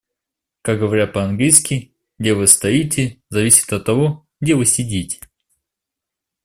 Как говорят по-английски: "Где вы стоите, зависит от того, где вы сидите".